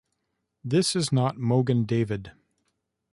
This is not Mogen David.